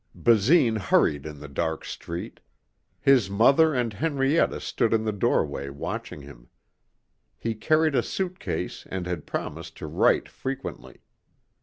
26 Basine hurried in the dark street. His mother and Henrietta stood in the doorway watching him. He carried a suitcase and had promised to write frequently.